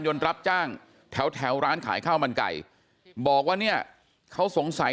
รับจ้างแถวแถวร้านขายข้าวมันไก่บอกว่าเนี่ยเขาสงสัย